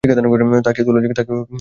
তাকে তোলা যাক।